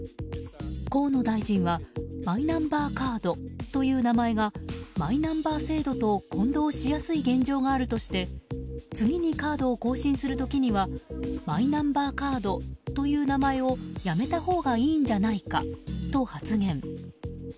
河野大臣はマイナンバーカードという名前がマイナンバー制度と混同しやすい現状があるとして次にカードを更新する時にはマイナンバーカードという名前をやめたほうがいいんじゃないかと発言。